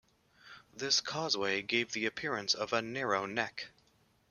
This causeway gave the appearance of a "narrow neck".